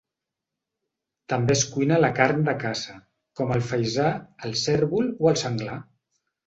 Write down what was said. També es cuina la carn de caça, com el faisà, el cérvol o el senglar.